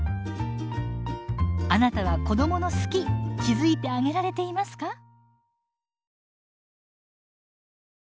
あなたは子どもの「好き」気付いてあげられていますか？